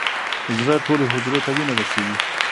زړه ټولې حجرې ته وینه رسوي.